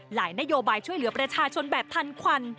นโยบายช่วยเหลือประชาชนแบบทันควัน